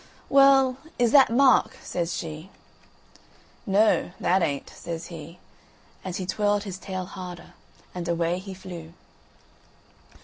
"Well, is that Mark?" says she. "Noo, that ain't," says he, and he twirled his tail harder, and away he flew.